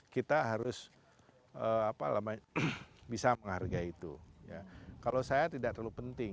kita harus apa lama bisa menghargai itu ya kalau saya tidak terlalu penting